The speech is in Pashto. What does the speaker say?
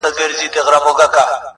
یو په یو یې د ژوند حال ورته ویلی!.